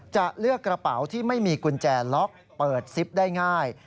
จะเลือกกระเป๋าที่ไม่มีกุญแจล็อกเปิดซิปได้ง่าย